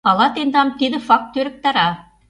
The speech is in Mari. Ала тендам тиде факт ӧрыктара.